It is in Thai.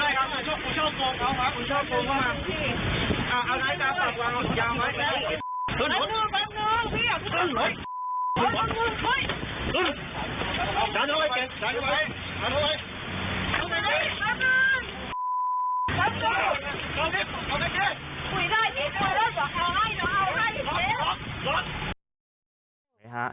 ขอให้ออกให้